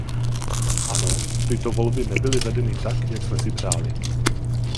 Ano, tyto volby nebyly vedeny tak, jak jsme si přáli.